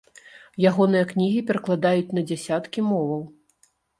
Ягоныя кнігі перакладаюць на дзясяткі моваў.